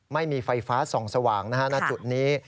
ไม่มีไฟฟ้าส่องสว่างณจุดนี้